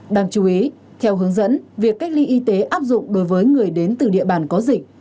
đáng chú ý theo hướng dẫn việc cách ly y tế áp dụng đối với người đến từ địa bàn có dịch